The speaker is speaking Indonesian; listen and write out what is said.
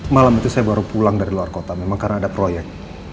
malam itu saya baru pulang dari luar kota memang karena ada proyek